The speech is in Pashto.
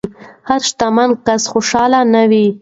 هر شتمن کس خوشحال نه وي.